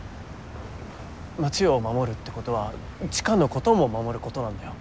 町を守るってことは知花のことも守ることなんだよ。